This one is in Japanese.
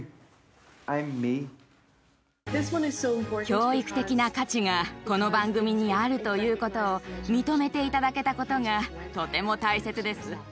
教育的な価値がこの番組にあるということを認めていただけたことがとても大切です。